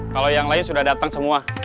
kalau yang lain sudah datang semua